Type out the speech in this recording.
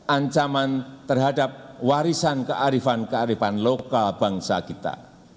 ancaman terhadap warisan kearifan kearifan lokal bangsa kita